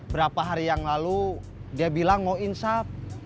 berapa hari yang lalu dia bilang mau insaf